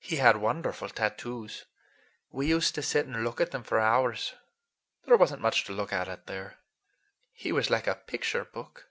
He had wonderful tattoos. We used to sit and look at them for hours; there was n't much to look at out there. He was like a picture book.